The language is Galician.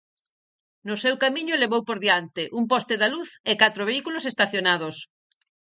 No seu camiño levou por diante un poste da luz e catro vehículos estacionados.